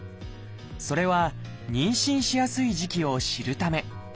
それは妊娠しやすい時期を知るため。